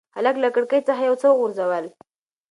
هلک له کړکۍ څخه یو څه وغورځول.